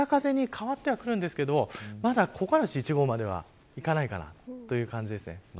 あした北風に変わってはきますが木枯らし１号まではいかないかなという感じです。